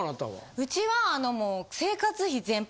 うちは。